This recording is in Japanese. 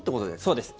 そうです。